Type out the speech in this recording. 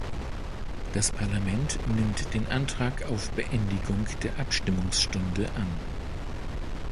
Das Parlament nimmt den Antrag auf Beendigung der Abstimmungsstunde an.